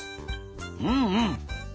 うんうん。